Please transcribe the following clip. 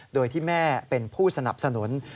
โดยที่แม่เป็นผู้สนับสนุน